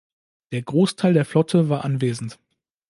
Der Großteil der Flotte war anwesend.